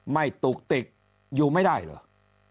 ไม่ตุกติกอยู่ไม่ได้หรือ